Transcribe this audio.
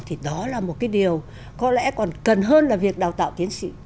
thì đó là một cái điều có lẽ còn cần hơn là việc đào tạo tiến sĩ